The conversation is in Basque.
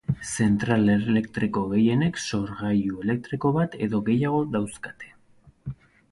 Zentral elektriko gehienek sorgailu elektriko bat edo gehiago dauzkate.